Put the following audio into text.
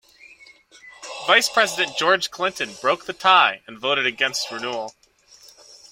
Vice President George Clinton broke the tie and voted against renewal.